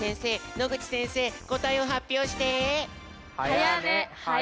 野口先生こたえをはっぴょうして！